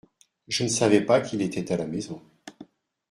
Je ne savais pas qu’il était à la maison.